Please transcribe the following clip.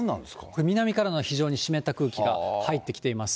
これ南からの非常に湿った空気が入ってきています。